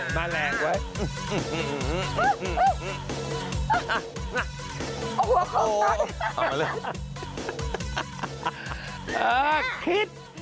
มันแหลงไว้